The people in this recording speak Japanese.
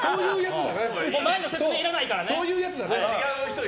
前の説明いらないからね。